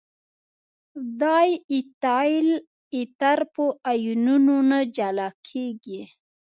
دای ایتایل ایتر په آیونونو نه جلا کیږي.